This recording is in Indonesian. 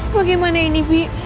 bagaimana ini bi